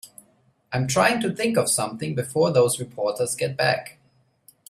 I'm trying to think of something before those reporters get back.